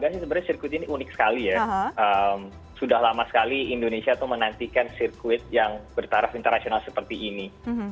sebenarnya sirkuit ini unik sekali ya sudah lama sekali indonesia itu menantikan sirkuit yang bertaraf internasional seperti ini